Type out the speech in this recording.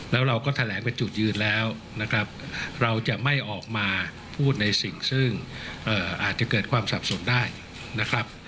แล้วเราก็แถลงเป็นจุดยืนแล้วนะครับเราจะไม่ออกมาพูดในสิ่งซึ่งอาจจะเกิดความสับสนได้นะครับ